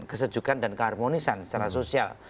kesejukan dan keharmonisan secara sosial